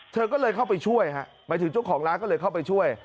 เธอก็เลยเข้าไปช่วยฮะหมายถึงเจ้าของร้านก็เลยเข้าไปช่วย